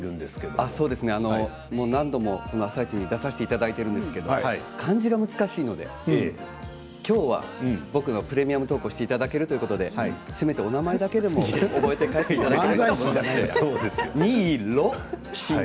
もう何度も「あさイチ」に出させていただいているんですが漢字が難しいので今日は僕は「プレミアムトーク」に出していただけるということでせめて名前だけでも覚えていただければと思います。